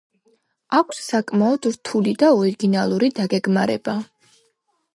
აქვს საკმაოდ რთული და ორიგინალური დაგეგმარება.